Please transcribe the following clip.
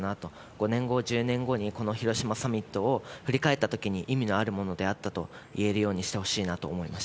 ５年後、１０年後にこの広島サミットを振り返ったときに、意味のあるものであったと言えるようにしてほしいなと思いました。